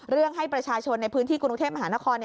ให้ประชาชนในพื้นที่กรุงเทพมหานคร